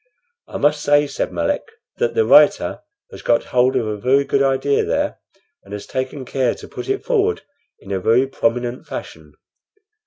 "I must say," added Melick, "that the writer has got hold of a very good idea there, and has taken care to put it forward in a very prominent fashion."